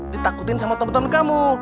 ditakutin sama temen temen kamu